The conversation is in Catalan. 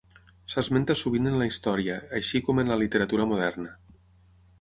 S'esmenta sovint en la història, així com en la literatura moderna.